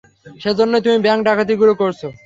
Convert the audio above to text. সেজন্যই তুমি ব্যাংক ডাকাতিগুলো করছো।